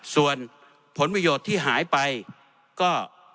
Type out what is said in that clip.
ส่วนผลประโยชน์ที่หายไปก็